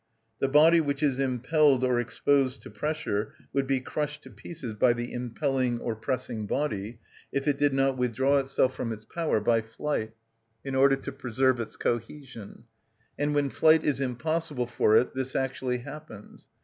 The body which is impelled or exposed to pressure would be crushed to pieces by the impelling or pressing body if it did not withdraw itself from its power by flight, in order to preserve its cohesion; and when flight is impossible for it this actually happens.